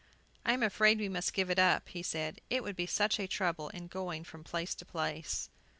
"I am afraid we must give it up," he said; "it would be such a trouble in going from place to place."